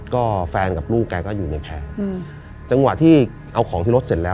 ก็แฟนกับลูกแกก็อยู่ในแพร่จังหวะที่เอาของที่รถเสร็จแล้ว